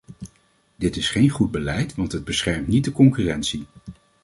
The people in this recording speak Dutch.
Dat is geen goed beleid want het beschermt niet de concurrentie.